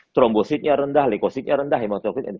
trombositnya rendah likositnya rendah hematokrit